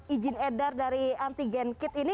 izin edar dari antigen kit ini